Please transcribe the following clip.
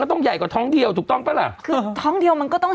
ต้องใหญ่กว่าท้องเดียวถูกต้องปะล่ะคือท้องเดียวมันก็ต้อง